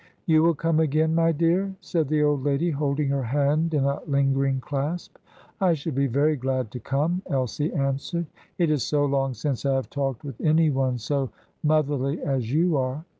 "You will come again, my dear?" said the old lady, holding her hand in a lingering clasp. "I shall be very glad to come," Elsie answered. "It is so long since I have talked with any one so motherly as you are."